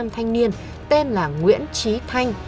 thanh niên tên là nguyễn trí thanh